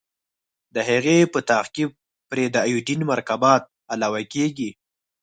د هغې په تعقیب پرې د ایوډین مرکبات علاوه کیږي.